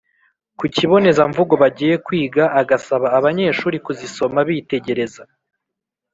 ku kibonezamvugo bagiye kwiga, agasaba abanyeshuri kuzisoma bitegereza